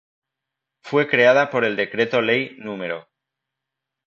Fue creada por el Decreto Ley No.